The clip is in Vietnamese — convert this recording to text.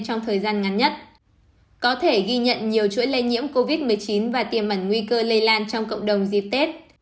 trong thời gian ngắn nhất có thể ghi nhận nhiều chuỗi lây nhiễm covid một mươi chín và tiềm ẩn nguy cơ lây lan trong cộng đồng dịp tết